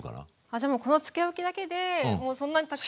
じゃあもうこの漬けおきだけでもうそんなにたくさんに。